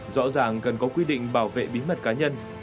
rõ ràng cần có quy định bảo vệ bí mật cá nhân